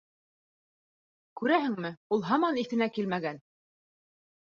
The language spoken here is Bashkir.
Күрәһеңме, ул һаман иҫенә килмәгән!